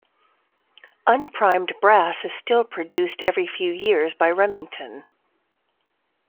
Unprimed brass is still produced every few years by Remington.